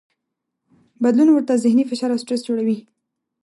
بدلون ورته ذهني فشار او سټرس جوړوي.